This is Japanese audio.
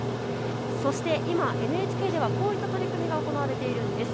そして今、ＮＨＫではこういった取り組みが行われています。